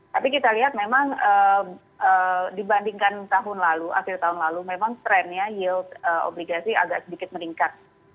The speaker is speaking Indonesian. tapi kita lihat memang dibandingkan tahun lalu akhir tahun lalu memang trennya yield obligasi agak sedikit meningkat